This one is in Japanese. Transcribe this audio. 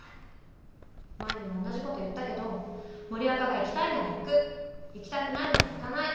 前にも同じこと言ったけど森若が行きたいなら行く行きたくないなら行かない。